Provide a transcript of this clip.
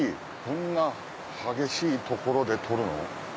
こんな激しい所で取るの？